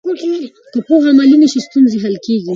که پوهه عملي شي، ستونزې حل کېږي.